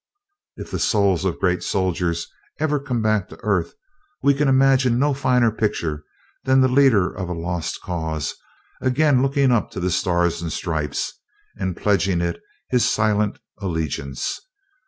If the souls of great soldiers ever come back to earth, we can imagine no finer picture than the Leader of a Lost Cause again looking up to the Stars and Stripes and pledging it his silent allegiance.